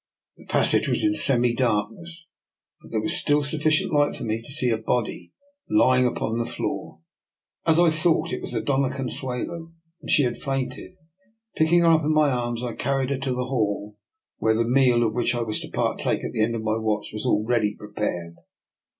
The pas sage was in semi darkness, but there was still sufficient light for me to see a body lying upon the floor. As I thought, it was the Doiia Consuelo, and she had fainted. Picking her up in my arms, I carried her to the hall, where the meal of which I was to partake at the end of my watch was already prepared.